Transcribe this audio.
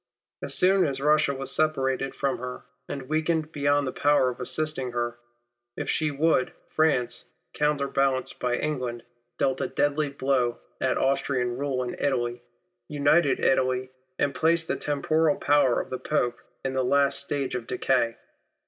As soon as Russia was separated from her, and weakened beyond the power of assisting her, if she would, France, countenanced by England, dealt a deadly blow at THE WAR PARTY UNDER PALMERSTON. 107 Austrian rule in Italy, united Italy, and placed the temporal power of the Pope in the last stage of decay.